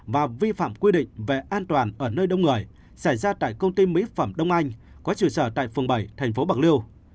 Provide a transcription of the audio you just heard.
và vi phạm quy định về an toàn ở nơi đông người xảy ra tại công ty mỹ phẩm đông anh có trụ sở tại phường bảy thành phố bạc liêu